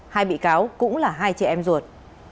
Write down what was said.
hai bị cáo cũng là hai chị em ruột